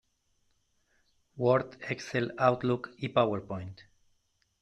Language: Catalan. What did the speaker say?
Word, Excel, Outlook i PowerPoint.